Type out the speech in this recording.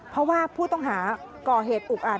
เพราะว่าผู้ต้องหาก่อเหตุอุกอาจ